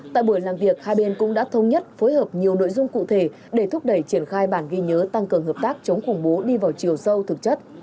tại buổi làm việc hai bên cũng đã thông nhất phối hợp nhiều nội dung cụ thể để thúc đẩy triển khai bản ghi nhớ tăng cường hợp tác chống khủng bố đi vào chiều sâu thực chất